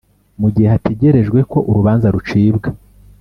mu gihe hategerejwe ko urubanza rucibwa